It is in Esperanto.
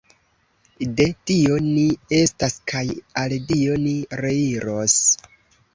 De Dio ni estas, kaj al Dio ni reiros.